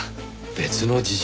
別の事情？